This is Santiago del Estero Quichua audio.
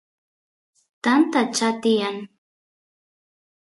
tanta chaa tiyan